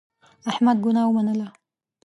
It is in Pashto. احمد ګناه ومنله.